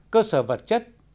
cơ sở vật chất